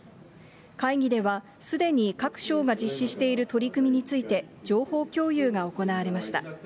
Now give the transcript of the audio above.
会議では、すでに各省が実施している取り組みについて情報共有が行われました。